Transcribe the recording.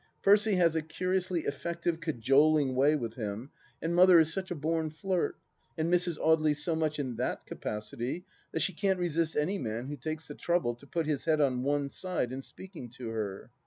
Percy has a curiously effective cajoling way with him, and Mother is such a bom flirt, and misses Audely so much in that capacity, that she can't resist any man who ti^es the trouble to put his head on one side in speaking to her.